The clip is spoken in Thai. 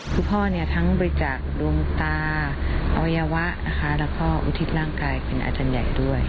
คือพ่อเนี่ยทั้งบริจาคดวงตาอวัยวะนะคะแล้วก็อุทิศร่างกายเป็นอาจารย์ใหญ่ด้วย